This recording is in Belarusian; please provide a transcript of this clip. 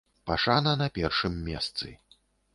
Пашана на першым месцы.